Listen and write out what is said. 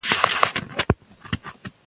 تاریخي منابع باید معتبر وي.